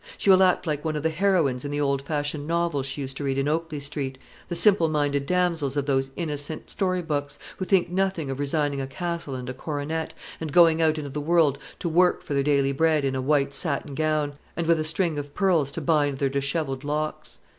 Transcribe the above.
She will act like one of the heroines in the old fashioned novels she used to read in Oakley Street, the simple minded damsels of those innocent story books, who think nothing of resigning a castle and a coronet, and going out into the world to work for their daily bread in a white satin gown, and with a string of pearls to bind their dishevelled locks."